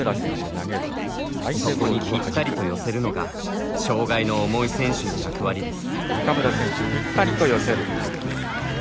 そこに、ぴったりと寄せるのが障がいの重い選手の役割です。